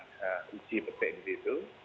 kita uji petik di situ